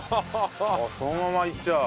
そのままいっちゃう。